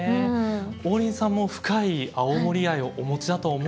王林さんも深い青森愛をお持ちだと思うんですが。